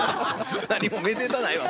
何もめでたないわ